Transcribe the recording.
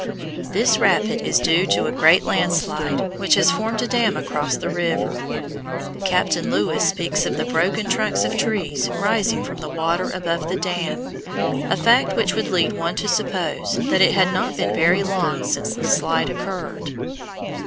This rapid is due to a great landslide which has formed a dam across the river. Captain Lewis speaks of the broken trunks of trees rising from the water above the dam, a fact which would lead one to suppose that it had not been very long since the slide occurred.